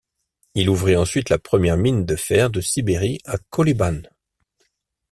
Il ouvrit ensuite la première mine de fer de Sibérie à Kolyban.